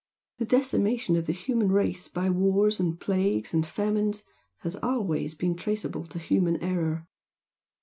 The decimation of the human race by wars and plagues and famines has always been traceable to human error.